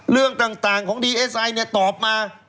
เรื่องต่างของดีเอสไอเนี่ยตอบมา